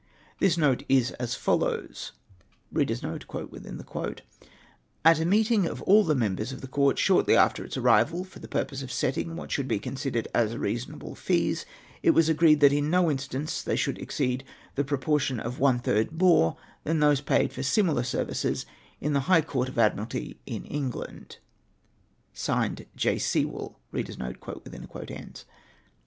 This note is as follows :' At a meeting of all the members of the court shortly after its arrival, for the purpose of settling what should be con sidered as reasonable fees, it was agreed, that in no instance they should exceed the proportion of one third more than those paid for similar services in the High Comt of Ad miralty in England,' signed 'J, Sewell ;' wlio thus assumed V CIRCUMSTANCES ATTENDING IT.